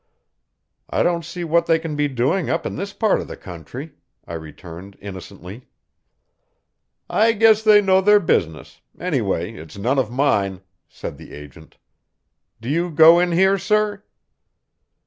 "I don't see what they can be doing up in this part of the country," I returned innocently. "I guess they know their business anyway, it's none of mine," said the agent. "Do you go in here, sir?